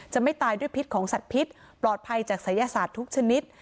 จะไม่ตายด้วยพิษของสัตว์พิษปลอดภัยจากศัยศาสตร์ทุกชนิด